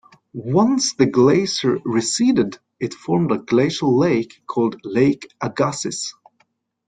Once the glacier receded, it formed a glacial lake called Lake Agassiz.